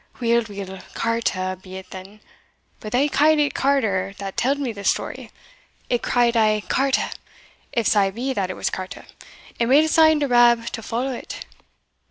"Weel, weel, carta be it then, but they ca'd it carter that tell'd me the story. It cried aye carta, if sae be that it was carta, and made a sign to Rab to follow it.